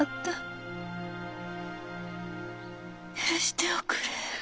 許しておくれ。